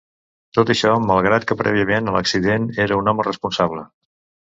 Tot això malgrat que prèviament a l'accident era un home responsable.